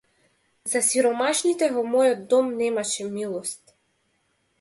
За сиромашните во мојот дом немаше милост.